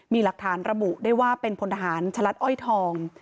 มีหลักฐานระบุได้ว่าเป็นพลทหารฉลัดอ้อยทอง